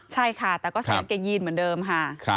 ใช่ค่ะแต่ก็ใส่กางเกงยีนเหมือนเดิมค่ะ